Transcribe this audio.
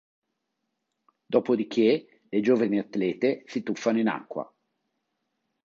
Dopodiché, le giovani atlete si tuffano in acqua.